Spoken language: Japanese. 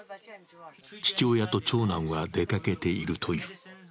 父親と長男は出かけているという。